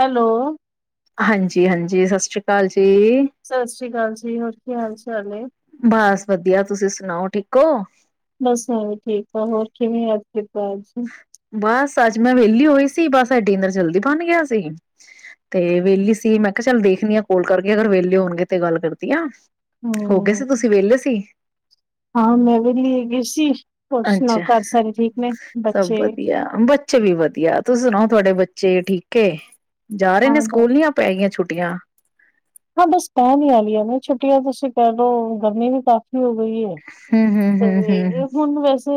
Hello ਹਾਂਜੀ ਹਾਂਜੀ ਸਤਿ ਸ੍ਰੀ ਅਕਾਲ ਜੀ। ਸਤਿ ਸ਼੍ਰੀ ਅਕਾਲ ਜੀ। ਹੋਰ ਕੀ ਹਾਲ ਚਾਲ ਏ? ਬਸ ਵਧੀਆ ਤੁਸੀਂ ਸੁਣਾਓ ਠੀਕ ਓ। ਬਸ ਮੈਂ ਵੀ ਠੀਕ ਆਂ। ਹੋਰ ਕਿਵੇਂ ਯ- ਬਸ ਅੱਜ ਮੈਂ ਵਿਹਲੀ ਹੋਈ ਸੀ ਬਸ ਅਜ ਡਿਨਰ ਜਲਦੀ ਬੰਨ ਗਿਆ ਸੀ। ਤੇ ਵਿਹਲੀ ਹੋਈ ਸੀ ਸੀ ਮੈਂ ਕਿਹਾ ਚੱਲ ਦੇਖਦੀ ਆ ਕੋਲ ਕਰਕੇ। ਅਗਰ ਵੇਲੇ ਹੋਣਗੇ ਤੇ ਗੱਲ ਕਰਦੀ ਆਂ। ਹੂੰ- ਹਾਂ ਮੈਂ ਵਿਹਲੀ ਸੀ। ਹੋਰ ਸੁਣਾਓ ਅੱਛਾ। ਘਰ ਸਾਰੇ ਠੀਕ ਨੇ। ਬੱਚੇ? ਵਧੀਆ ਬੱਚੇ ਵੀ ਵਧੀਆ ਤੁਸੀਂ ਸੁਣਾਓ ਤੁਹਾਡੇ- ਤੇ ਬੱਚੇ ਠੀਕ ਏ। ਜਾ ਰਹੇ ਨੇ ਹਾਂ ਬ ਸਕੂਲ ਜਾਂ ਪੈ ਗਈਆਂ ਛੱਟ- ਰੋਟੀਆਂ ਹਾਂ ਬਸ ਪੈਣ ਈ ਵਾਲੀਆ ਨੇ ਛੁੱਟੀਆਂ ਬਸ। ਤੁਸੀਂ ਕਹਿ ਲਓ ਗਰਮੀ ਵੀ ਕਾਫ਼ੀ- ਵੀ ਹੋ ਗਈ ਏ। ਤੇ ਹੂੰ-ਹੂੰ-ਹੂੰ-ਹੂੰ। ਹੁਣ ਵੈਸੇ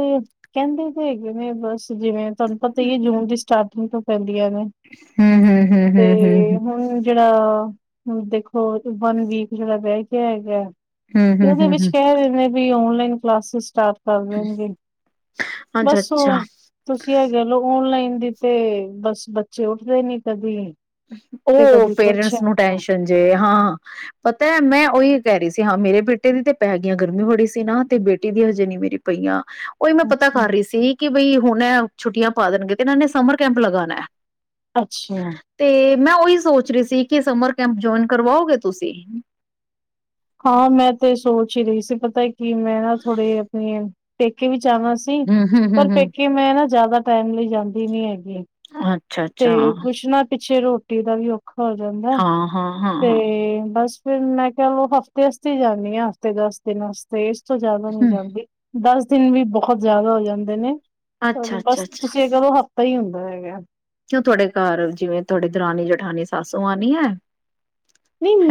ਕਹਿੰਦੇ ਤੇ ਹੈਗੇ ਨੇ ਬਸ ਜਿਵੇਂ ਤੁਹਾਨੂੰ ਪਤਾ ਈ ਹੈ ਜੂਨ ਦੀ ਸਟਾਰਟ ਯੂਥ ਔਫ ਪਾਈਨ। ਦੀਆਂ ਹੂਐ, ਤੇ ਹੂੰ-ਹੂੰ-ਹੂੰ-ਹੂੰ-ਹੂੰ-ਹੂੰ-ਹੂੰ-ਹੂੰ-ਹੂੰ ਹੂੰ ਜੇੜਾ ਹੂੰ ਦੇਖੋ ਵਨ ਵੀਕ ਜੇੜਾ ਬੈ ਕਿਆ ਹੈਗੈ। ਉਹਦੇ ਵਿੱਚ ਕੈ ਰੇਣ ਬੀ ਔਨਲਾਈਨ ਕਲਾਸਿਸ ਸਟਾਰਟ ਕਰ ਦੇਣਗੇ, ਬੱਸ ਔ ਅੱਛਾ-ਅੱਛਾ ਤੁਸੀਂ ਐ ਕੈ ਲੋ ਔਨਲਾਈਨ ਦੀ ਤੇ ਬਸ ਬੱਚੇ ਉੱਠਦੇ ਨੀ ਕਦੀ ਤੇ ਓਹ ਕਦੀ ਕੁਛ ਪੇਰੈਂਟਸ ਨੂੰ ਹੈਗਾ ਟੈਸ਼ਨ ਜੇ, ਹਾਂ ਪਤਾ ਮੈਂ ਔਹੀ ਕਹਿ ਰਹੀ ਸੀ ਹਾਂ ਮੇਰੇ ਬੇਟੇ ਦੀ ਤੇ ਪੈ ਗੀਆਂ, ਗਰਮੀ ਬੜੀ ਸੀ ਨਾ ਤੇ ਬੇਟੀ ਦੀ ਹਜੇ ਨੀ ਮੇਰੀ ਪਈਆਂ। ਉ ਹੀ ਮੈਂ ਪਤਾ ਕਰ ਅੱਛਾ ਰੀ ਸੀ ਕਿ ਬਈ ਹੁਣ ਐ ਛੁੱਟੀਆਂ ਪਾ ਦੇਣਗੇ ਤੇ ਇੰਨਾਂ ਨੇ ਸਮਰ ਕੈਂਪ ਲਗਾਣੈ। ਅੱਛਾ। ਤੇ ਮੈਂ ਓਹੀ ਸੋਚ ਰੀ ਸੀ ਕਿ ਸਮਰ ਕੈਂਪ ਜੋਇਨ ਕਰਵਾਓਗੇ ਤੁਸੀਂ? ਹਾਂ, ਮੈਂ ਤੇ ਸੋਚ ਹੀ ਰਹੀ ਸੀ ਪਤੈ ਕਿ ਮੈਂ ਨਾ ਥੋੜੇ ਅਪਣੇ ਪੇਕੇ ਵੀ ਜਾਣਾ ਸੀ ਹੂੰ ਹੂੰ ਹੂੰ ਪਰ ਹੂੰ ਪੇਕੇ ਮੈਂ ਨਾ ਜਿਆਦਾ ਟਾਈਮ ਲਈ ਜਾਂਦੀ ਨੀ ਹੈ ਗੀ‌। ਅੱਛਾ ਅੱਛਾ ਤੇ ਕੁਛ ਨਾ ਪਿੱਛ ਪਿੱਛੇ ਰੋਟੀ ਦਾ ਵੀ ਔ ਹੋ ਜਾਂਦੈ। ਹਾਂ ਹਾਂ ਹਾਂ ਤੇ ਹਾਂ ਬਸ ਫੇਰ ਮੈਂ ਕਹਿ ਲਓ ਹਫਤੇ ਵਾਸਤੇ ਈ ਜਾਂਦੀ ਆਂ, ਹਫ਼ਤੇ ਦਸ ਦਿਨ ਵਾਸਤੇ ਚ ਜ਼ਿਆਦਾ ਨੀ ਹੂੰ ਜਾਂਦੀ। ਦਸ ਦਿਨ ਵੀ ਬਹੁਤ ਜ਼ਿਆਦਾ ਹੋ ਜਾਂਦੇ ਨੇ। ਅੱਛਾ ਅੱਛਾ ਬਸ ਤੁਸੀਂ ਐ ਕਰੋ ਹਫ਼ਤਾ ਹੀ ਹੁੰਦ [unintelligible] ਕਿਓ ਤੁਹਾਡੇ ਘਾਰ ਜਿਵੇਂ ਤੁਹਾਡੀ ਦਰਾਨੀ ਜਠਾਨੀ, ਸਾਸੂ ਮਾਂ ਨੀ ਹੈ।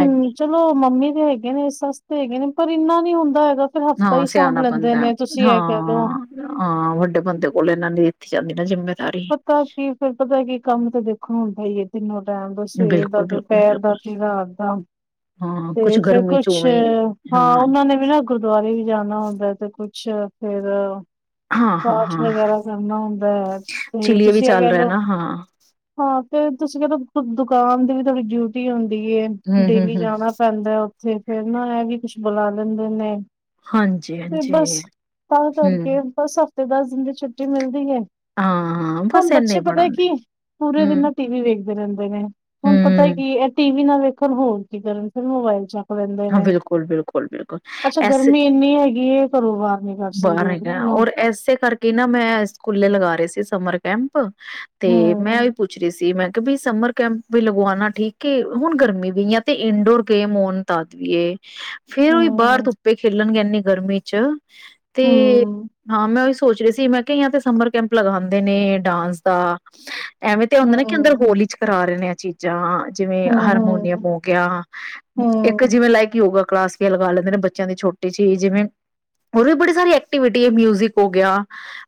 ਹੈਗੀ ਚਲੋ ਮੰਮੀ ਹੈਗੇ ਨੇ ਸੱਸ ਤੇ ਹੈਗੇ ਨੇ ਪਰ ਇੰਨਾ ਨੀ ਹੁੰਦਾ। ਹੈਗਾ ਫਿਰ ਹਫ਼ਤਾ ਹਾਂ, ਹੀ ਸਾਂਭ ਸਿਆਣਾ ਲੈਂਦੇ ਬੰਦਾ ਨੇ ਤੁਸੀਂ ਇਹ ਕਹਿ ਲਓ ਹਾਂ ਹਾਂ ਵੱਡੇ ਬੰਦੇ ਕੋਲ ਐਨਾਂ ਨੇ ਜਾਂਦੀ ਨਾ ਜਿਵੇਂ ਪਤਾ ਕੀ ਫਿਰ ਪਤਾ ਕੀ ਕੰਮ ਤੇ ਦੇਖੋ ਹੁਣ [unintelligible] ਤਿੰਨੋ ਟਾਈਮ ਦਾ ਸਵੇਰ ਦਾ ਬਿਲਕੁਲ ਬਿਲਕੁਲ ਦੁਪਹਿਰ ਦਾ ਬਿਲਕੁਲ ਰਾਤ ਦਾ ਹਾਂ ਕੁਛ ਤੇ ਫੇਰ ਗਰਮੀ ਚ ਕੁਛ ਉਵੇਂ ਹੀ ਹਾਂ ਉਹਨਾਂ ਨੇ ਵੀ ਨਾ ਗੁਰਦੁਆਰੇ ਵੀ ਜਾਣਾ ਹੁੰਦਾ ਤੇ ਕੁਛ ਅੱਛਾ ਫੇਰ ਹਾਂ ਹਾਂ ਪਾਠ ਹਾਂ ਵਗੈਰਾ ਕਰਨਾ ਹੁੰਦਾ ਹੈ। ਤੇ ਚਿਲੀਏ ਵੀ ਤੁਸੀਂ ਇਹ ਚੱਲ ਕਹਿ ਰਿਹਾ ਲਓ ਨਾ ਹਾਂ ਹਾਂ ਤੇ ਤੁਸੀਂ ਕਹਿ ਲਓ ਦੁਕਾਨ ਦੀ ਵੀ ਤੁਹਾਡੀ ਡਿਊਟੀ ਹੁੰਦੀ ਏ ਹਮ ਹਮ ਡੇਲੀ ਹਮ ਜਾਣਾ ਪੈਂਦਾ। ਫੇਰ ਨਾ ਇਹ ਵੀ ਕੁਛ ਬੁਲਾ ਲੈਂਦੇ ਨੇ ਹਾਂਜੀ ਤੇ ਹਾਂਜੀ ਬਸ ਤਾਂ ਹੂੰ ਕਰਕੇ ਬਸ ਹਫ਼ਤੇ ਦਸ ਦਿਨ ਦੀ ਛੁੱਟੀ ਮਿਲਦੀ ਹੈ। ਹਾਂ ਬਸ ਹੁਣ ਇਨਾ ਹੀ ਬੱਚੇ ਬੜਾ ਪਤਾ ਹੁੰਦਾ ਕੀ ਪੂਰੇ ਹਮ ਦਿਨ ਉਹ ਟੀ ਵੀ ਵੇਖ ਖਦੇ ਰਹਿੰਦੇ ਨੇ ਹੁਣ ਪਤਾ ਹੈ ਹਮ ਕਿ ਐਟੀ ਨਾਂ ਵੇਖਣ ਹੋਰ ਕੀ ਕਰਨ ਫਿਰ ਮੋਬਾਇਲ ਚ' ਰਹਿੰਦੇ ਹਾਂ ਨੇ ਬਿਲਕੁਲ ਬਿਲਕੁਲ ਬਿਲਕੁਲ ਅੱਛਾ ਐਸੇ ਗਰਮੀ ਇੰਨੀ ਹੈਗੀ ਘਰੋਂ ਬਾਹਾਰ ਨੀ ਕਰ ਬਾਹਰ ਸਕਦੇ ਇਹ ਹੈਗਾ ਨੂੰ ਔਰ ਇਸੇ ਕਰਕੇ ਨਾ ਮੈਂ ਸਕੂਲੇ ਲਗਾ ਰਹੇ ਸੀ ਸਮਰ ਕੈਂਪ ਤੇ ਮੈਂ ਉਹੀ ਪੁੱਛ ਰਹੀ ਸੀ ਮੈਂ ਵੀ ਸਮਰ ਕੈਂਪ ਵੀ ਲਗਵਾਉਣਾ ਠੀਕ ਹੈ। ਹੁਣ ਗਰਮੀ ਵੀ ਜਾਂ ਤੇ ਇਨਡੋਰ ਗੇਮ ਹੋਣ [unintelligible] ਫੇਰ ਉਹੀ ਬਾਹਰ ਹੂੰ ਧੁੱਪੇ ਖੇਲਣਗੇ ਇਨੇ ਗਰਮੀ ਚ' ਤੇ ਹੂੰ ਹਾਂ ਮੈਂ ਉਸ ਸੋਚ ਰਹੀ ਸੀ ਮੈਂ ਕਿਹਾ ਤੇ ਸਮਰ ਕੈਂਪ ਲਗਾਉਦੇ ਨੇ ਡਾਂਸ ਦਾ ਐਵੇਂ ਤੇ ਹੁੰਦਾ ਨਾ ਕਿ ਅੰਦਰ ਹੂੰ ਹਾਲ ਚ' ਕਰਾ ਰਹੇ ਨੇ ਚੀਜ਼ਾਂ ਜਿਵੇਂ ਹੂੰ-ਹੂੰ, ਹਾਰਮੋਨੀਅਮ ਹੋ ਗਿਆ। ਇੱਕ ਹੂੰ, ਜਿਵੇਂ ਲਾਇਕ ਹੋਊਗਾ ਕਲਾਸ ਲਗਾ ਲੈਂਦੇ ਨੇ ਬੱਚਿਆਂ ਦੀ ਛੋਟੀ ਜਿਹੀ ਜਿਵੇਂ ਹੋਰ ਵੀ ਬੜੀ ਸਾਰੀ ਐਕਟੀਵਿਟੀ ਮਿਊਜਿਕ ਹੋ ਗਿਆ।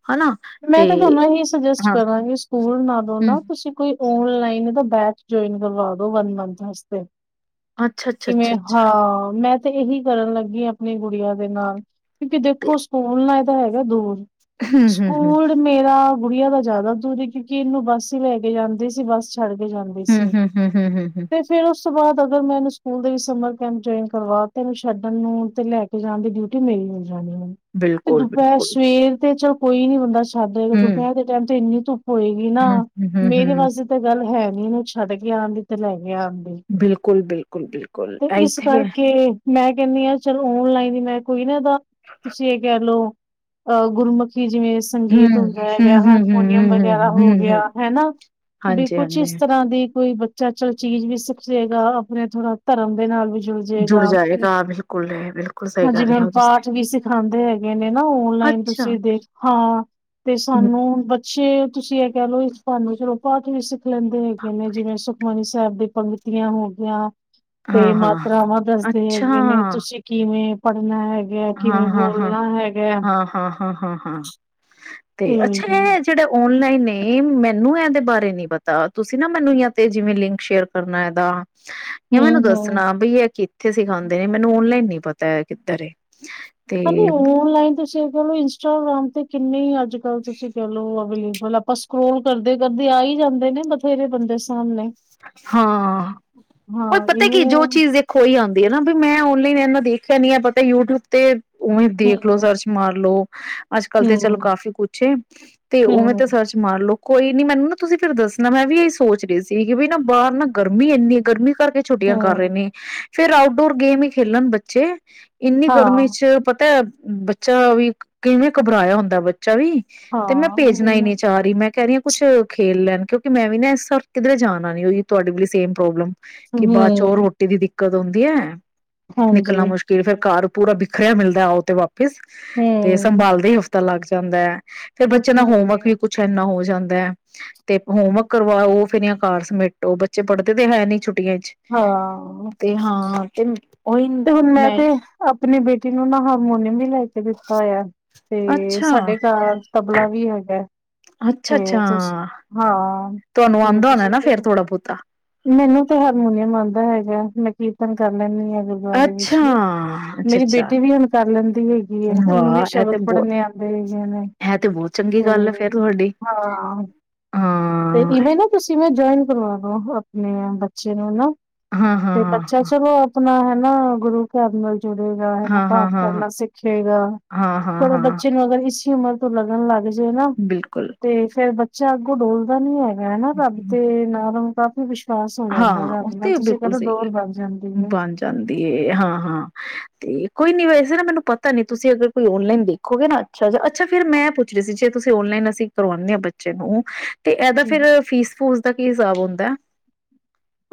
ਹਨਾ ਤੇ ਮੈਂ ਤਾਂ ਤੁਹਾਨਾ ਹੀ ਸੁਜੈਸਟ ਹਾਂ ਕਰਾਂਗੀ ਸਕੂਲ ਨਾਲੋਂ ਹਮ ਨਾ ਤੁਸੀਂ ਕੋਈ ਓਨਲਾਈਨ ਤਾਂ ਬੈਚ ਜੁਇਨ ਕਰਵਾ ਦੋ ਵਨ ਮੰਥ ਵਾਸਤੇ ਅੱਛਾ ਅੱਛਾ ਅੱਛਾ ਕਿਵੇਂ ਹਾਂ ਅੱਛਾ ਮੈਂ ਤੇ ਮੈਂ ਇਹੀ ਕਰਨ ਲੱਗੀ ਆਪਣੀ ਗੁੜੀਆਂ ਦੇ ਨਾਲ ਕਿਉਂਕਿ ਤੇ ਦੇਖੋ ਸਕੂਲ ਨਾਲ ਤੇ ਹੈਗਾ ਦੂਰ ਹਮ, ਹਮ [unintelligible] ਮੇਰਾ ਗੁੜੀਆਂ ਦਾ ਜ਼ਿਆਦਾ ਦੂਰ ਹੈ, ਕਿਉਂਕਿ ਇਹਨੂੰ ਬੱਸ ਹੀ ਲੈ ਕੇ ਜਾਂਦੇ ਸੀ ਬੱਸ ਚ ਛੱਡ ਕੇ ਜਾਂਦੀ ਸੀ ਹਮ ਹਮ ਹਮ ਹਮ ਹਮ ਹਮ ਹਮ ਤੇ ਫੇਰ ਉਸ ਉਸ ਤੋਂ ਬਾਅਦ ਅਗਰ ਮੈਂ ਇਹਨੂੰ ਸਕੂਲ ਦੇ ਵਿੱਚ ਸਮਰ ਕੈਂਪ ਜੁਆਇਨ ਕਰਵਾ ਤਾਂ, ਇਹਨੂੰ ਛੱਡਣ ਨੂੰ ਤੇ ਲੈ ਕੇ ਜਾਣ ਦੀ ਡਿਊਟੀ ਮੇਰੀ ਹੁੰਦੀ। ਤੇ ਬਿਲਕੁਲ ਦੁਪਹਿਰ ਬਿਲਕੁਲ ਸਵੇਰ ਦੇ ਜੋ ਕੋਈ ਨੀ ਹੁਣ ਬਸ। ਸਾਡੇ ਹਮ ਦੁਪਹਿਰ ਦੇ ਟਾਈਮ ਤੇ ਇੰਨੀ ਧੁੱਪ ਹੋਏਗੀ ਨਾ, ਹਮ ਹਮ ਮੇਰੇ ਹਮ ਵਾਸਤੇ ਤਾਂ ਗੱਲ ਹੈ। ਨਹੀਂਨੂੰ ਛੜ ਕੇ ਆਉਂਤ ਲ [unintelligible] ਬਿਲਕੁਲ, ਬਿਲਕੁਲ, ਬਿਲਕੁਲ ਤੇ ਇਸ ਏਥੇ ਕਰਕੇ ਮੈਂ ਕਹਿਣੀ ਆ ਚਲੋ ਔਨਲਾਈਨ ਮੈਂ ਕੋਈ ਨਾ ਓ ਤੁਸੀਂ ਇਹ ਕਹਿ ਲਓ। [unintelligible] ਓ ਗੁਰਮਤ [unintelligible] ਕਿ ਜਿਵੇਂ ਸੰਗੀਤ ਹੁੰਦਾ ਹਮ ਹੈਗਾ ਹਮ ਹਮ ਹਾਰਮੋਨੀਅਮ ਹਮ ਵਗੈਰਾ ਹੋ ਹਮ ਗਿਆ। ਹਮ ਹਨਾ ਵੀ ਹਾਂਜੀ ਕੁਛ ਇਸ ਹਾਂਜੀ ਤਰ੍ਹਾਂ ਦੀ ਕੋਈ ਬੱਚਾ ਚੱਲ ਚੀਜ਼ ਵੀ ਸਿਖੇਗਾ ਆਪਣੇ ਥੋੜਾ ਧਰਮ ਦੇ ਨਾਲ ਵੀ ਜੁੜ ਜਾਏਗਾ, ਬਿਲਕੁਲ ਹੈ ਬਿਲਕੁਲ ਸਹੀ ਹਾਂਜੀ ਕਰ ਜਿਵੇ ਰਹੇ ਹੁਣ ਹੋ ਤੁਸੀਂ ਪਾਠ ਵੀ ਸਿਖਾਉਂਦੇ ਹੈਗੇ ਨੇ ਨਾ ਆਨਲਾਈਨ ਅੱਛਾ ਤੁਸੀਂ ਦੇਖ ਹਾਂ ਤੇ ਸਾਨੂੰ ਬ [unintelligible] ਛੇ ਤੁਸੀਂ ਇਹ ਕਹਿ ਲਓ ਇਸ ਕਿ ਸਾਨੂੰ ਜਿਵੇ ਪਾਠ ਵੀ ਸੀ ਲੈਂਦੇ ਹੈਗੇ ਨੇ ਜਿਵੇਂ ਸੁਖਮਨੀ ਸਾਹਿਬ। ਸਾਹਿਬ ਦੇ ਪੰਗਤੀਆਂ ਹੋ ਗਈਆ। ਹਾਂ ਤੇ ਹਾਂ ਮਾਤਰਾਵਾਂ ਦੱਸਦੇ ਅੱਛਾ ਹੈਗੇ ਨੇ ਤੁਸੀਂ ਕਿਵੇਂ ਪੜ੍ਹਨਾ ਹੈ। [unintelligible] ਹੈਗਾ, ਹਾਂ ਕਿਵੇਂ ਹਾਂ ਹਾਂ ਬੋਲਣਾ ਹੈਗਾ। [unintelligible] ਹਾਂ ਹਾਂ ਹਾਂ ਹਾਂ ਹਾਂ, ਹਾਂ ਤੇ ਹੂੰ, ਅੱਛਾ ਇਹ ਜਿਹੜਾ ਓਨਲਾਈਨ ਮੈਨੂੰ ਇਹਦੇ ਉਸ ਬਾਰੇ ਨੀ ਪਤਾ ਤੁਸੀਂ ਨਾ ਮੈਨੂੰ ਯਾ ਤੇ ਜਿਵੇਂ ਲਿੰਕ ਸ਼ੇਅਰ ਕਰਨਾ ਇਹਦਾ। ਜਾਂ ਮੈਨੂੰ ਹੂੰ, ਹੂੰ। ਦੱਸਣਾ ਬਈ ਇਹ ਕਿੱਥੇ ਸਿਖਾਉਂਦੇ ਨੇ, ਮੈਨੂੰ ਆਨਲਾਈਨ ਨਈ ਪਤਾ ਹੈ ਕਿੱਧਰ ਐ ਹਾਂਜੀ ਆਨਲਾਈਨ ਤੁਸੀਂ ਚਲੋ ਇੰਸਟਾਗ੍ਰਾਮ ਤੇ ਕਿੰਨੇ ਅੱਜ ਕੱਲ ਤੁਸੀਂ ਕਹਿ ਲਓ ਅਗਲੀ [unintelligible] ਮਤਲਬ ਆਪਾਂ ਸਕਰੋਲ ਕਰਦੇ ਕਰਦੇ ਆ ਹੀ ਜਾਂਦੇ ਨੇ ਬਥੇਰੇ ਬੰਦੇ ਸਾਹਮਣੇ ਹਾਂ ਉਹ ਹਾਂ ਪਤਾ ਇਵੇਂ ਕੀ ਜੋ ਹੂੰ ਚੀਜ਼ ਦੇਖੋ ਹੀ ਉਹੀ ਤੇ ਨਾ ਵੀ ਮੈਂ ਆਨਲਾਈਨ ਇਨਾ ਦੇਖਿਆ ਨੀ ਹੈ ਪਤਾ ਯੂਟਿਊਬ ਤੇ ਉਵੇਂ ਦੇਖਲੋ ਸਰਚ ਮਾਰਲੋ ਅੱਜ ਕੱਲ ਤੇ ਚਲੋ ਹੂੰ ਕਾਫੀ ਕੁਛ ਐ ਤੇ ਉਵੇਂ ਤੇ ਹੂੰ ਸਰਚ ਮਾਰਲੋ ਕੋਈ ਨੀ ਮੈਨੂੰ ਨਾ ਤੁਸੀਂ ਫਿਰ ਦੱਸਣਾ ਮੈਂ ਵੀ ਇਹੀ ਸੋਚ ਰਹੀ ਸੀ ਵੀ ਨਾ ਬਾਹਰ ਨਾ ਗਰਮੀ ਇੰਨੀ ਹੈ ਗਰਮੀ ਕਰਕੇ ਛੁੱਟੀਆਂ ਕਰ ਰਹੇ ਹੂੰ ਨੇ ਫੇਰ ਆਊਟਡੋਰ ਗੇਮ ਹੀ ਖੇਲਣ ਬੱਚੇ ਇੰਨੀ ਗਰਮੀ ਹਾਂ ਚ ਪਤਾ ਹੈ ਬੱਚਾ ਵੀ ਕਿਵੇਂ ਘਬਰਾਇਆ ਹੁੰਦਾ ਤੇ ਮੈਂ ਹਾਂ ਉਹੀ ਭੇਜਣਾ ਹੀ ਨਾ ਨਹੀਂ ਚਾਹ ਰਹੀ ਮੈਂ ਕਹਿ ਰਹੀ ਹ ਕੁਛ ਖੇਲ ਲੈਣ ਕਿਉਂਕਿ ਮੈਂ ਵੀ ਨਾ ਇਸ ਵਾਰ ਕਿੱਧਰੇ ਜਾਣ ਨਾਲੇ ਉਹੀ ਤੁਹਾਡੇ ਵਾਲੀ ਸੇਮ ਪ੍ਰੋਬਲਮ ਕਿ ਬਾਅਦ ਚੋਂ ਹੂੰ ਰੋਟੀ ਦੀ ਦਿੱਕ ਕਦੋ ਹੁੰਦੀ ਏ। ਹਾਂਜੀ ਨਿਕਲਣਾ ਮੁਸ਼ਕਿਲ ਫੇਰ ਘਰ ਪੂਰਾ ਬਿਖਰਿਆ ਮਿਲਦਾ ਆਉ ਤੇ ਵਾਪ ਸ ਤੇ ਹੂੰ ਸੰਭਾਲਦੇ ਹੀ ਹਫ਼ਤਾ ਲੱਗ ਜਾਂਦਾ ਫੇਰ ਉਹ ਬੱਚਿਆਂ ਤੇ ਦਾ ਹੈ ਹੀ ਹੋਮਵਰਕ ਹੈ ਵੀ ਕੁੱਛ ਇੰਨਾ ਹੋ ਜਾਂਦਾ। ਦਾ ਤੇ ਹੋਮਵਰਕ ਕਰਵਾਉ ਫੇਰ ਘਰ ਸਮੇਟੋ ਬੱਚੇ ਪੜ੍ਹਦੇ ਤੇ ਹੈ ਨੀ ਛੁੱਟ ਟੀਆਂ ਚ ਹਾਂ ਤੇ ਹਾਂ [unintelligible] ਤੇ ਹੁਣ ਮੈਂ ਤੇ ਆਪਣੀ ਬੇਟ ਟੀ ਨੂੰ ਨਾ ਹਾਰਮੋਨੀਅਮ ਵੀ ਲੈ ਕੇ ਦਿੱਤਾ ਹੋਇਆ। ਤੇ ਅੱਛਾ ਸਾਡੇ ਘਰ ਤਬਲਾ ਵੀ ਹੈਗਾ। ਅੱਛਾ ਅੱਛਾ ਤੇ ਹਾਂ। ਤੁਹਾਨੂੰ ਆਉਂਦਾ ਹੋਣਾ ਨਾ ਫੇਰ ਥੋੜਾ ਬਹੁਤਾ ਮੈਨੂੰ ਤੇ ਹਾਰਮੋਨੀਅਮ ਆਉਂਦਾ। ਹੈਗਾ। ਮੈਂ ਕੀਰਤਨ ਕਰ ਲੈਂਦੀ ਹਾਂ। ਅੱਛਾ ਅੱਛਾ ਮੇਰੀ ਅੱਛਾ ਬੇਟੀ ਵੀ ਹੁਣ ਕਰ ਲੈਂਦੀ ਹੈਗੀ। ਉਹਨੂੰ ਵੀ ਵਾਹ ਇਹ ਤੇ ਸ਼ਬਦ ਬਹੁਤ ਪੜ੍ਹਨੇ ਆਦੇ ਹੈਗੇ ਨੇ, ਇਹ ਤੇ ਬਹੁਤ ਚੰਗੀ ਗੱਲ ਐ ਫੇਰ ਤੇ ਤੁਹਾਡੀ ਹਾਂ, ਤੇ ਹਾਂ ਇਵੇਂ ਨਾ ਤੁਸੀਂ ਜੁਆਇਨ ਕਰਵਾ ਦੋ। ਮੈ ਬੱਚੇ ਨੂੰ ਨਾ ਹਾਂ ਹਾਂ ਤੇ ਬੱਚਾ ਹਾਂ ਚਲੋ ਆਪਣਾ ਨਾ ਗੁਰੂ ਘਰ ਨਾਲ ਜੁੜੇਗਾ ਹੈ ਨਾ ਹਾਂ ਹਾਂ ਪਾਠ ਹਾਂ ਕਰਨਾ ਸਿੱਖੇਗਾ। ਹਾਂ, ਹਾਂ, ਥੋੜਾ ਹਾਂ ਬੱਚੇ ਨੂੰ ਅਗਰ ਇਸੀ ਉਮਰ ਤੋ ਲੱਗਣ ਲੱਗ ਜਾ ਜੇ ਨਾ ਬਿਲਕੁਲ। ਤੇ ਫੇਰ ਬ ਾਗੋਂ ਡੋਲਦਾ ਨੀ ਹੈਗਾ। ਮੈਂ ਨਾ ਰੱਬ ਤੇ ਨਾਲੋ ਕਾਫੀ ਵਿਸ਼ ਵਾਸ਼ ਹੋ ਜਾਂਦਾ ਹੈ। ਹਾਂ, ਉਹ ਰਾਬ ਨਾਲ ਤੇ ਤੁਸੀਂ ਕਹਿਲੋ ਡੋਰ ਬਣ ਜਾਂਦੀ ਹੈ। ਤੇ ਹਾਂ-ਹਾਂ ਤੇ ਕੋਈ ਨੀ ਵੈਸੇ ਨਾ ਮੈਨੂੰ ਪਤਾ ਨੀ ਤੁਸੀਂ ਕੋਈ ਓਨਲਾਈਨ ਦੇਖੋਗੇ ਨਾ ਅੱਛਾ ਜਿਹਾ। ਅੱਛਾ ਫੇਰ ਮੈਂ ਪੁੱਛ ਰਹੀ ਸੀ ਜੇ ਤੁਸੀਂ ਓਨਲਾਈਨ ਅਸੀਂ ਕਰਵਾਉਦੇ ਹਾਂ ਬੱਚੇ ਨੂੰ ਤੇ ਇਹਦਾ ਫੇਰ ਫੀਸ-ਫੂਸ ਦਾ ਕਿ ਹੁੰਦਾ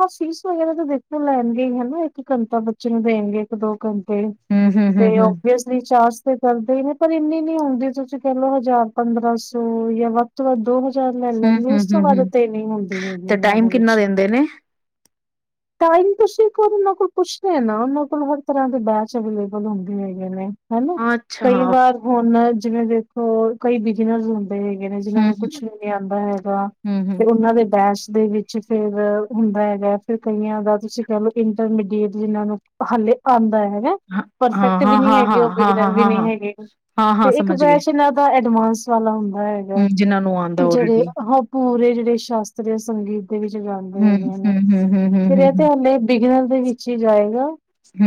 ਹਾਂ ਫੀਸ ਵਗੈਰਾ ਤਾਂ ਦੇਖੋ ਲੈਣਗੇ ਹੀ ਹਨਾ ਇੱਕ ਘੰਟਾ ਬੱਚੇ ਨੂੰ ਦੇਣਗੇ ਇੱਕ- ਦੋ ਘੰਟ ਹੂੰ, ਹੂੰ, ਹੂੰ, ਤੇ ਹੂੰ, ਓਬਵੀਅਸਲੀ ਚਾਰ ਕਰਦੇ ਨੇ ਪਰ ਇੰਨੀ ਨੀ ਆਉਂਦੀ ਤੁਸੀਂ ਕਹਿ ਲਓ ਹਜ਼ਾਰ- ਪੰਦਰਾਂ ਸੌ ਜਾਂ ਵੱਧ ਤੋਂ ਵੱਧ ਦੋ ਹਾਜਰ ਲੈ ਹੂੰ, ਲੈਂਦੀ ਹੂੰ, ਉਸ ਤੋਂ ਹੂੰ, ਬਾਅਦ ਹੂੰ ਤੇ ਇਨੀ ਹੁੰਦੀ ਹੈਗੀਔੱਂਂਂਂਂ ਤੇ ਇਹਨਾਂ ਟਾਈਮ ਦੇ ਕਿੰਨਾ ਵਿੱਚ ਦਿੰਦੇ ਨੇ? ਟਾਈਮ ਤੁਸੀਂ ਉਹਨਾਂ ਕੋਲ ਪੁੱਛਦੇ ਨਾ ਉਹਨਾਂ ਕੋਲ ਹਰ ਤਰ੍ਹਾਂ ਦੇ ਬੈਚ ਅਵੇਲੇਬਲ ਹੁੰਦੇ ਹੈਗੇ ਨੇ ਹਨਾ, ਅੱਛਾ ਕਈ ਹਾਂ, ਵਾਰ ਹੁਣ ਜਿਵੇਂ ਦੇਖੋ ਕੋਈ ਬਿਜ਼ਨਸ ਹੁੰਦਾ ਹੈਗੇ ਨੇ ਜਿਹਨਾਂ ਹੂੰ, ਨੂੰ ਕੁਛ ਨੀ ਨੀ ਆਉਂਦਾ ਹੈਗਾ ਹੂੰ, ਹੂੰ ਤੇ ਉਹਨਾਂ ਦੇ ਬੈਸ ਦੇ ਵਿੱਚ ਫੇਰ, ਹੁੰਦਾ ਹੈਗਾ ਫਿਰ ਕਈਆਂ ਦਾ ਤੁਸੀਂ ਕਹਿ ਲਓ ਇੰਟਰਮੀਡੀਏਟ ਜਿਹਨ੍ਹਾਂ ਨੂੰ ਹਾਲੇ ਹੈਗਾ, ਹਾਂ, ਹਾਂ, ਪਰਫੈਕਟ ਵੀ ਹਾਂ, ਨਹੀਂ ਹੈਗੇ ਹਾਂ, ਓਹ ਹਾਂ, ਹਾਂ, ਹਾਂ, ਬਿਗਨਰ ਵੀ ਹਾਂ, ਨੀ ਹਾਂ, ਹੈਗੇ। ਹਾਂ, ਤੇ ਹਾਂ ਇੱਕ ਸਮਝ ਗਏ। ਬੈਚ ਇਹਨਾਂ ਦਾਯ ਮਾਸ ਵਾਲਾ ਹੁੰਦਾ। ਹੈਗਾ। ਹੂੰ, ਜਿਹਨਾਂ ਨੂੰ ਆਉਂਦਾ ਜਿਹੜੇ ਔਲਰੇਡੀ ਉਹ ਪੂਰੇ ਜਿਹੜੇ ਸ਼ਾਸਤਰੀਯ ਸੰਗੀਤ ਵਿੱਚ ਜਾਂਦੇ ਹੂੰ, ਹੈਗੇ ਨੇ ਹੂੰ, ਹੂੰ, ਹੂੰ, ਹੂੰ, ਹੂੰ, ਫਿਰ ਹੂੰ, ਇਹ ਤੇ ਹਾਲੇ ਬਿਗਨਲ ਦੇ ਵਿੱਚ ਹੀ ਜਾਏਗਾ।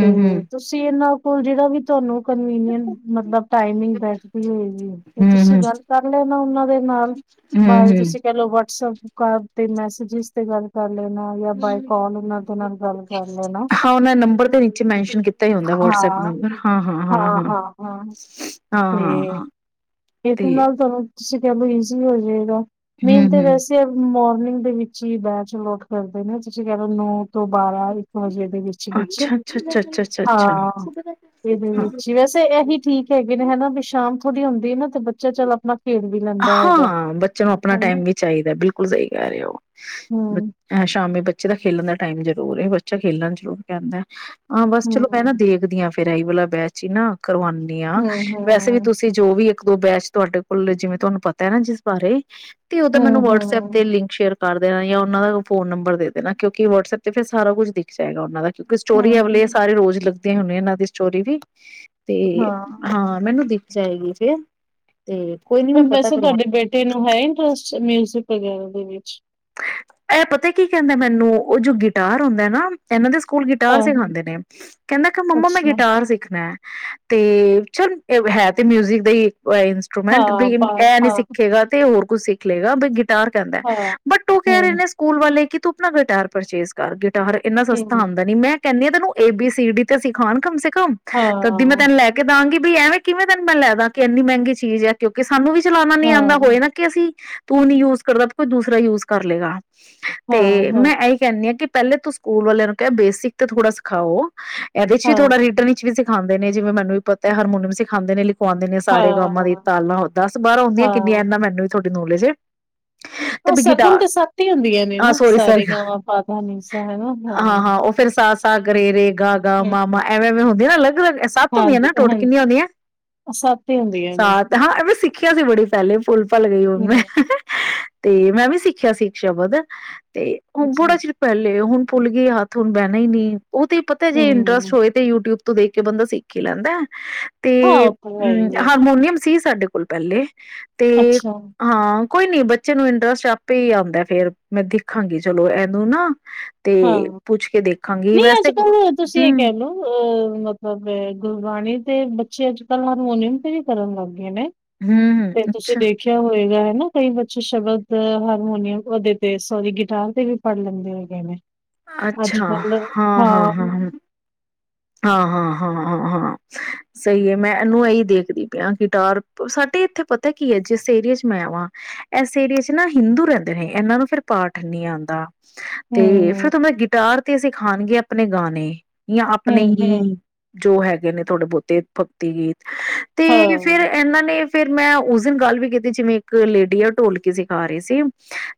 ਤੇ ਹੂੰ। ਤੁਸੀਂ ਇਨਾ ਉਹ ਜਿਹੜਾ ਵੀ ਤੁਹਾਨੂੰ ਕਨਵੀਨੀਂਨ ਮਤਲਬ ਟਾਈਮ ਬੈਠਦੀ ਹੋਏਗੀ ਤੇ ਤੁਸੀਂ ਹੂੰ-ਹੂੰ, ਗੱਲ ਕਰ ਲਿਆ ਨਾ ਉਹਨਾਂ ਦੇ ਨਾਲ, ਬਾਏ ਹੂੰ-ਹੂੰ। ਤੁਸੀਂ ਕਹਿ ਲੋ ਵਟਸਪ ਤੇ ਮੈਸੇਜਿਸ ਤੇ ਗੱਲ ਕਰ ਲੈਣਾ ਜਾਂ ਬਾਈਕ ਕਾਲ ਉਹਨਾਂ ਦੇ ਨਾਲ ਗੱਲ ਕਰ ਲੈਣਾ, ਹਾਂ ਉਹਨਾਂ ਨੰਬਰ ਦੇ ਨੀਚੇ ਮੈਨਸ਼ਨ ਕੀਤਾ ਹੀ ਹੁੰਦਾ ਵਟਸਐਪ ਹਾਂ, ਨੰਬਰ ਹਾਂ ਹਾਂ-ਹਾਂ-ਹਾਂ-ਹਾਂ। ਹਾਂ ਹਾਂ, ਤੇ, ਹਾਂ-ਹਾਂ-ਹਾਂ ਤੇ ਇਸਦੇ ਨਾਲ ਤੁਹਾਨੂੰ ਤੁਸੀਂ ਕਹਿ ਲੋ ਈਜ਼ੀ ਹੋ ਜਾਏਗਾ ਮੇਨ ਤੇ ਹੂੰ-ਹੂੰ ਵੈਸੇ ਨੀਂਦ ਦੇ ਵਿੱਚ ਹੀ ਬੈਚ ਲੋਕ ਕਰਦੇ ਨੇ ਤੁਸੀਂ ਕਹਿ ਦੋ ਨੋਟ ਤੋਂ ਬਾਰਾਂ ਇੱਕ ਵਜੇ ਦੇ ਵਿੱਚ ਵਿਚ ਅੱਛਾ-ਅੱਛਾ-ਅੱਛਾ-ਅੱਛਾ-ਅੱਛਾ-ਅੱਛਾ। ਹਾਂ ਇਹਦੇ ਵਿੱਚ ਹੀ ਵੈਸੇ ਇਹੀ ਠੀਕ ਹੈਗੇ ਨੇ ਹਨਾ ਵੀ ਸ਼ਾਮ ਥੋੜ੍ਹੀ ਹੁੰਦੀ ਨਾ ਤੇ ਬੱਚਾ ਚੱਲ ਆਪਣਾ ਖੇਡ ਵੀ ਲੈਂਦਾ ਹੈਗਾ। ਹਾਂ, ਬੱਚਿਆਂ ਨੂੰ ਆਪਣਾ ਹੈਨਾ ਟਾਈਮ ਵੀ ਚਾਹੀਦਾ ਬਿਲਕੁਲ ਸਹੀ ਕਹਿ ਰਹੇ ਹੋ, ਹੂੰ, ਸ਼ਾਮੀ ਬੱਚੇ ਬੱਚੇ ਦਾ ਖੇਲਣ ਦਾ ਟਾਈਮ ਜ਼ਰੂਰ ਹੈ, ਬੱਚਾ ਖੇਲਣ ਜ਼ਰੂਰ ਕਹਿੰਦਾ ਹੈ। ਹਾਂ, ਬਸ ਹੂੰ, ਚਲੋ ਮੈਂ ਨਾ ਹੂੰ, ਦੇਖਦੀ ਹਾਂ। ਫੇਰ ਏਹੀ ਵਾਲਾ ਬੈਚ ਨਾ ਕਰਵਾਉਂਦੀਆਂ, ਹੂੰ, ਵੈਸੇ ਵੀ ਹੂੰ, ਤੁਸੀਂ ਜੋ ਵੀ ਇੱਕ ਦੋ ਬੈਚ ਤੁਹਾਡੇ ਕੋਲ ਜਿਵੇਂ ਤੁਹਾਨੂੰ ਪਤਾ ਹੈ ਨਾ ਜਿਸ ਬਾਰੇ ਤੇ ਉਹਦਾ ਮੈਨੂੰ ਵਟਸਐਪ ਹੂੰ, ਤੇ ਲਿੰਕ ਸ਼ੇਅਰ ਕਰ ਦੇਣਾ ਜਾਂ ਉਹਨਾਂ ਦਾ ਫ਼ੋਨ-ਨੰਬਰ ਦੇਣਾ, ਕਿਉਂਕਿ ਵਟਸਐਪ 'ਤੇ ਫਿਰ ਸਾਰਾ ਕੁਝ ਦਿਖ ਜਾਵੇਗਾ ਉਹਨਾਂ ਦਾ। ਕਿਉਂਕਿ ਸਟੋਰੀਆਂ- ਹੂੰ, ਵਾਲੇ ਇਹ ਹੂੰ। ਸਾਰੇ ਰੋਜ਼ ਲੱਗ ਤੇ ਹੋਵੇ ਇਹਨਾਂ ਦੀ ਸਟੋਰੀ ਵੀ ਤੇ ਹਾਂ, ਮੈਨੂੰ ਦੀਪ ਸਹੀ ਜੇ 'ਤੇ ਕੋਈ ਨੀ ਮੈਂ ਹੁਣ ਵੈਸੇ ਕਰਵਾ ਤੁਹਾਡੇ ਬੇਟੇ ਨੂੰ ਹੈ ਇੰਟਰਸਟ ਮਿਊਜ਼ਿਕ ਸਿੰਪਲ ਦੇ ਵਿੱਚ ਇਹ ਪਤਾ ਕੀ ਕਹਿੰਦਾ ਮੈਨੂੰ ਉਹ ਜੋ ਗਿਟਾਰ ਹੁੰਦਾ ਨਾ ਇਹਨਾਂ ਦੇ ਸ ਸਕੂਲ ਗਿਟਾਰ ਹਾਂ-ਹਾਂ, ਸਿਖਾਉਂਦੇ ਨੇ, ਕਹਿੰਦਾ ਕਿ ਮੰਮਾ ਮੈਂ ਅੱਛਾ ਗਿਟਾਰ ਸਿੱਖਣਾ ਹੈ। ਤੇ ਚੱਲ ਇਹ ਹੈ, ਤੇ ਮਿਊਜਿਕ ਦਾ ਹੀ ਉਹ ਇੰਸਟਰੂਮੈਂਟ ਹਾਂ ਵੀ ਪਾਠ ਇਹ ਨੀ ਹਾਂ, ਸਿੱਖੇਗਾ ਤੇ ਹੋਰ ਕੁਛ ਸਿੱਖ ਲਏਗਾ ਬ ਗ [unintelligible] ਤਿਆਰ ਕਰਨਾ, ਬਟ ਉਹ ਹਮ ਲੈ ਕੇ ਤੂੰ ਆਪਣਾ ਗਿਟਾਰ ਪਰਚੇਜ਼ ਕਰ ਦੇ ਗਿਟਾਰ ਇੰਨਾ ਸਸਤਾ ਹੂੰ, ਆਂਦਾ ਨੀ ਮੈਂ ਕਹਿੰਦੀ ਆ ਤੈਨੂੰ ਏ ਬੀ ਸੀ ਡੀ ਤੇ ਸਿਖਾਉਣ ਕਮ ਸੇ [unintelligible] ਤਧਦੀ ਮੈਂ ਹਾਂ, ਤੈਨੂੰ ਲੈ ਕੇ ਦਾਂਗੀ ਵੀ ਐਵੇ ਕਿਵੇ ਤੇਨੂੰ ਮੈਂ ਲੈਦਾ ਕਿ ਇੰਨੀ ਮਹਿੰਗੀ ਚੀਜ਼ ਹੈ ਕਿਉਂਕਿ ਸ ਸਾਨੂੰ ਵੀ ਚਲਾਉਣਾ ਨੀ ਆਉਂਦਾ ਹਾਂ, ਹੋਏਗਾ ਕਿ ਅਸੀਂ ਤੂੰ ਨੀ ਯੂਜ਼ ਕਰਦਾ ਤੇ ਕੋਈ ਦੂਸਰਾ ਯੂਜ਼ ਕਰ ਲੇਗਾ ਤੇ ਹਾਂ, ਹਾਂ, ਮੈਂ ਇਹੀ ਕਹਿੰਦੀ ਹਾਂ ਕਿ ਪਹਿਲੇ ਤੂੰ ਸਕੂਲ ਵਾਲਿਆਂ ਨੂੰ ਕਿਹਾ ਬੇਸਿਕ ਤੇ ਥੋੜ੍ਹਾ ਸਿਖਾਓ ਇਹਦੇ ਚ ਵੀ ਹਾਂ, ਥੋੜਾ ਰੀਟਨ ਵਿੱਚ ਵੀ ਸੀ ਸਿਖਾਉਂਦੇ ਨੇ ਜਿਵੇਂ ਮੈਨੂੰ ਵੀ ਪਤੈ ਹਰਮੋਨੀਅਮ ਸਿਖਉਦੇ ਨੇ ਸਿਖਉਂਦੇ ਨੇ ਸਾਰੇ ਗਾਮਾ ਦੀ ਹਾਂ, ਤਾਲਾਂ ਦਸ ਬਾਰਾਂ ਹੁੰਦੀਆਂ ਕਿੰਨੀਆਂ ਇਨਾਂ ਮੈਨੂੰ ਵੀ ਥੋੜਾ ਨਾਲੇਜ ਏ ਉਹ ਸਰਗਮ ਤੇ ਸੱਤ ਹੀ ਹੁੰਦੀਆਂ ਨੇ ਹਾਂ ਨਾ ਸੋਰੀ ਸਰ ਸਾਰੇ ਗਾਮਾ ਪਾਧਾ ਨੀਸਾ ਹੈਨਾ ਹਾਂ। ਤ ਗਰੇਰੇ ਗਾ -ਗਾ -ਮਾਮਾ, ਹੂੰ, ਐਵੇਂ ਐਵੇਂ ਹੁੰਦੀਆਂ ਨਾ ਅਲੱਗ ਅਲੱਗ ਸੱਤ ਹੁੰਦੀਆਂ ਨਾ, ਹਾਂਜੀ ਟੋਟ ਕਿੰਨੀਆਂ ਹਾਂਜੀ ਹੁੰਦੀਆਂ ਸੱਤ ਹੀ ਹੁੰਦੀਆਂ ਨੇ ਸਤ ਹਾਂ ਐਵੇਂ ਸਿੱਖਿਆ ਸੀ ਬੜੀ ਪਹਿਲੇ ਭੁੱਲ -ਭਲ ਗਈ ਹੁਣ ਮੈਂ। ਹੂੰ ਤੇ ਮੈਂ ਵੀ ਸੀ ਸਿੱਖਿਆ ਸੀ ਇੱਕ ਸ਼ਬਦ ਤੇ ਹ ਅੱਛਾ ਬੜਾ ਚਿਰ ਪਹਿਲੇ ਹੁਣ ਭੁੱਲ ਗਈ ਹੱਥ ਹੁਣ ਬਹਿਨਾ ਹੀ ਨਹੀਂ। ਉਹ ਤੇ ਪਤੇ ਜੇ ਇੰਟਰਸਟ ਹੂੰ ਹੋਏ ਤੇ ਯੂਟਿਊਬ ਤੋਂ ਦੇਖ ਕੇ ਬੰਦਾ ਸਿੱਖ ਹੀ ਲੈਂਦਾ ਤੇ ਹਾਂ ਉਹ ਤਾਂ ਹੈ ਹਮ ਹੀ ਹੈ ਹਾਰਮੋਨੀਅਮ ਸੀ ਸਾਡੇ ਕੋਲ। ਪਹਿੱਲੇ ਤੇ ਅੱਛਾ ਹਾਂ ਕੋਈ ਨਈੰ, ਬੱਚੇ ਨੂੰ ਇੰਟਰਸਟ ਆਪ ਪ ਆਉਂਦਾ ਫੇਰ ਮੈਂ ਦੇਖਾਂਗੀ ਚਲੋ ਇਹਨੂੰ ਨਾ ਤੇ ਹਾਂ, ਪੁੱਛ ਕੇ ਦੇਖਾਂਗੀ ਨਹੀਂ ਵੈਸੇ ਅੱਜ ਕੱਲ ਤੁਸੀਂ ਇਹ ਹਮ ਕਹਿ ਲਓ, ਅ ਮਤਲਬ ਗੁਰਬਾਣੀ ਤੇ ਬੱਚੇ ਅੱਜ ਕਲ੍ਹ ਹਾਰਮੋਨੀਅਮ ਤੇ ਵੀ ਕਰਨ ਲੱਗ ਗਏ ਨੇ ਹਮ ਤੇ ਹਮ ਤੁਸੀਂ ਅੱਛਾ ਦੇਖਿਆ ਹੋਏਗਾ ਹੈ ਨਾ ਕਈ ਬੱਚੇ ਸ਼ਬਦ ਹਾਰਮੋਨੀਅਮ ਉਹਦੇ ਤੇ ਸੋਰੀ ਗਿਟਾਰ ਤੇ ਵੀ ਪੜ੍ਹ ਲੈਂਦੇ ਹੈਗੇ ਨੇ। ਅੱਜ ਅੱਛਾ, ਕੱਲ ਹਾਂ -ਹਾਂ -ਹਾਂ। ਹੂੰ ਹਾਂ, ਹਾਂ, ਹਾਂ, ਹਾਂ, ਹਾਂ ਸਹੀ ਹੈ ਮੈਂ ਇਹਨੂੰ ਇਹੀ ਦੇਖਦੀ ਪਿਆ, ਗਿਟਾਰ ਸਾਡੇ ਇੱਥੇ ਪਤਾ ਕੀ ਹੈ, ਜਿਸ ਏਰੀਏ ਚ ਮੈਂ ਵਾਂ ਇਸ ਏਰੀਏ ਚ ਨਾ ਹਿੰਦੂ ਰਹਿੰਦੇ ਨੇ, ਇਹਨਾਂ ਨੂੰ ਫਿਰ ਪਾਠ ਨਹੀਂ ਆਉਂਦਾ। ਤੇ ਹੂੰ ਫਿਰ ਤਾਂ ਮੈਂ ਗਿਟਾਰ ਤੇ ਸਿਖਾਨਗੇ ਆਪਣੇ ਗਾਨੇ, ਜਾਂ ਆਪ ਹੂੰ ਨਹੀਂ। ਜੋ ਹੈਗੇ ਨੇ, ਥੋੜੇ ਬਹੁਤੇ ਭਗਤੀ ਗੀਤ। ਤੇ ਹਾਂ ਫਿਰ, ਇਹਨਾਂ ਨੇ ਫੇਰ ਮੈਂ ਉਸ ਦਿਨ ਗੱਲ ਵੀ ਕੀਤੀ, ਜਿਵੇਂ ਇੱਕ ਲੇਡੀ ਆ ਢੋਲਕੀ ਸਿਖਾ ਰਹੀ ਸੀ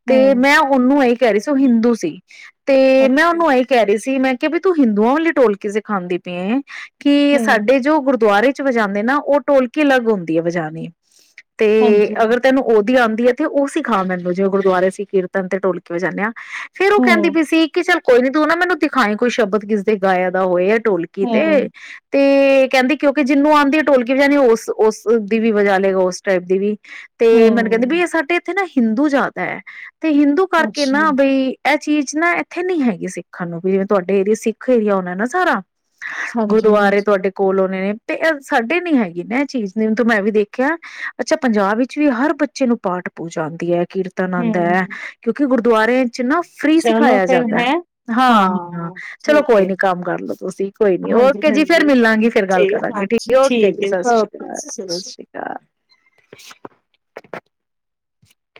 ਤੇ ਹੂੰ, ਮੈਂ ਉਹਨੂੰ ਕਹਿ ਰਹੀ ਸੀ, ਉਹ ਹਿੰਦੂ ਸੀ। ਤੇ ਮੈਂ ਅੱਛਾ, ਉਹਨੂੰ ਆਹੀ ਕਹਿ ਰਹੀ ਸੀ, ਮੈਂ ਕਿ ਵੀ ਤੂੰ ਹਿੰਦੂਆਂ ਵਾਲੇ ਢੋਲਕੀ? ਖਾਂਦੀ ਪੀਏ ਕੀ ਹੂੰ, ਸਾਡੇ ਜੋ ਗੁਰਦੁਆਰੇ? ਵਜਾਉਂਦੇ ਨਾ, ਉਹ ਢੋਲਕੀ ਅਲੱਗ ਉਂਦਿਏ ਬਜਾਨੀ ਤੇ ਹਾਂਜੀ, ਅਗਰ ਤੈਨੂੰ ਉਹਦੀ ਆਉਂਦੀ ਹੈ ਤੇ ਉਹ ਸਿਖਾ ਮੈਨੂੰ, ਜਿਵੇਂ ਗੁਰਦੁਆਰੇ ਸੀਂ ਕੀਰਤਨ ਤੇ ਢੋਲਕੀ ਵਜਾਨੇ ਆ [inaudible] ਹੂੰ, ਕੋਈ ਨੀ, ਤੂੰ ਨਾ ਮੈਨੂੰ ਦਿਖਾਈਏ ਕੋਈ ਸ਼ਬਦ, ਕਿਸ ਦੇ ਗਾਇਆ ਦਾ ਹੋਏ? ਢੋਲਕੀ ਤੇ ਹੂੰ, ਤੇ? ਤੇ ਕਹਿੰਦੀ, ਕਿਉਂਕਿ ਜਿਹਨੂੰ ਆਂਦੀ ਆ, ਢੋਲਕੀ ਵਜਾਣੀ ਉਸ ਦੀ ਵੀ ਵਜ੍ਹਾ ਲਏਗਾ। ਉਸ ਟਾਈਪ ਦੀ ਵੀ। ਤੇ ਮੈਨੂੰ ਕਹਿੰਦੀ ਹੂੰ, ਵੀ ਸਾਡੇ ਇੱਥੇ ਨਾ ਹਿੰਦੂ ਜ਼ਿਆਦਾ ਹੈ। ਤੇ ਹਿੰਦੂ ਕਰਕੇ ਅੱਛਾ, ਨਾ, ਬਈ। ਇਹ ਚੀਜ਼ ਨਾ ਇੱਥੇ ਨੀ ਹੈਗੀ ਸਿੱਖਣ ਨੂੰ ਵੀ, ਜਿਵੇਂ ਤੁਹਾਡੇ ਏਰੀਏ ਸਿੱਖ ਏਰੀਆ ਹੋਣਾ ਨਾ, ਸਾਰਾ। ਗੁਰਦੁਆਰੇ ਹਾਂਜੀ-ਹਾਂਜੀ, ਤੁਹਾਡੇ ਕੋਲ ਹੋਣੇ ਨੇ ਤੇ ਇਹ ਸਾਡੇ ਨਹੀਂ ਹੈਗੀ ਨਾ ਇਹ ਚੀਜ਼। ਹੁਣ ਤੇ ਮੈਂ ਵੀ ਦੇਖਿਆ ਅੱਛਾ ਪੰਜਾਬ ਵਿੱਚ ਵੀ ਹਰ ਬੱਚੇ ਨੂੰ ਪਾਠ ਪੂਜਾ ਆਉਂਦੀ ਹੈ। ਕੀਰਤਨ ਆਂਦਾ ਹੈ। ਹੂੰ, ਦੁਆਰੇ ਨਾ, ਫ੍ਰਰੀ ਚਲੋ ਸਿਖਾਇਆ ਫਿਰ ਜਾਂਦਾ। ਹੈਂ। ਹਾਂ ਹਾਂ, ਚਲੋ ਠੀਕ ਕੋਈ ਏ, ਨੀ ਕੰਮ ਕਰਲੋ ਤੁਸੀਂ। ਕੋਈ ਨੀ, ਓਕੇ ਜੀ। ਹਾਂਜੀ-ਹਾਂਜੀ, ਫੇਰ ਮਿਲਾਂਗੇ, ਫੇਰ ਗੱਲ ਜੀ ਕਰਾਂਗੇ। ਠੀਕ ਆ ਹਾਂਜੀ, ਜੀ ਓਕੇ ਠੀਕ ਜੀ ਏ, ਸਤਿ ਸ੍ਰੀ ਓਕੇ, ਅਕਾਲ ਸਤਿ ਸ਼੍ਰੀ ਅਕਾਲ [inaudible]